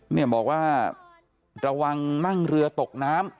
เนี่ยบอกว่าระวังนั่งเรือตกน้ำ